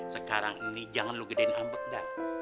sekarang ini jangan lu gedein ambek dah